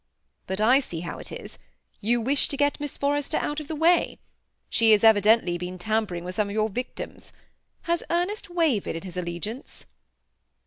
But I see how it is. Yoa wish to get Miss Forrester out of the way. She has evidently been tampering with some of your victims. Has Ernest wavered in his allegiance?"